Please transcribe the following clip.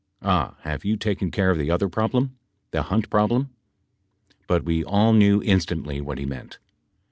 Ah, have you taken care of the other problem — the Hunt problem?" But we all knexo instantly what he meamt.